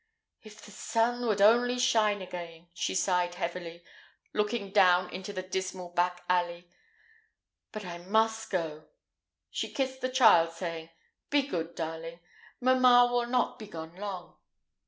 "If the sun would only shine again," she sighed heavily, looking down into the dismal back alley; "but I must go." She kissed the child, saying, "Be good, darling mamma will not be gone long."